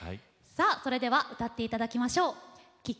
さあそれでは歌って頂きましょう。